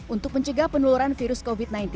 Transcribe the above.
untuk mencegah peneluran virus covid sembilan belas